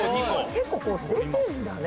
結構出てんだね。